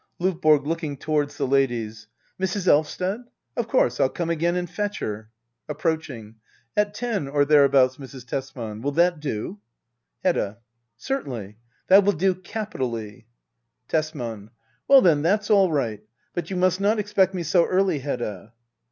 LOVBORO. [Looking towards the ladies.] Mrs. Elvsted ? Of course^ Fll come again and fetch her. [Approach ing,'] At ten or thereabouts^ Mrs. Tesman ? Will that do? Hedda. Certainly. That will do capitally. Tesman. Well, then, that's all right. But you must not expect me so early, Hedda.